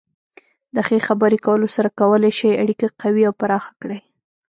د ښې خبرې کولو سره کولی شئ اړیکه قوي او پراخه کړئ.